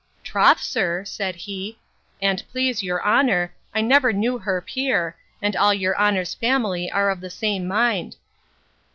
Troth, sir, said he, an't please your honour, I never knew her peer, and all your honour's family are of the same mind.